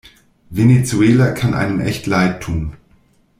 Venezuela kann einem echt leid tun.